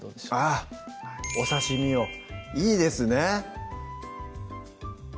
あっお刺身をいいですね！